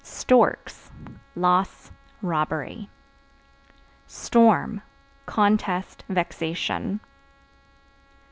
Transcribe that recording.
Storks Loss, robbery. Storm Contest, vexation.